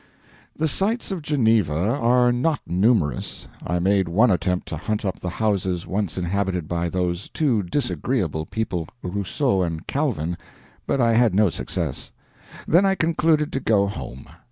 The "sights" of Geneva are not numerous. I made one attempt to hunt up the houses once inhabited by those two disagreeable people, Rousseau and Calvin, but I had no success. Then I concluded to go home.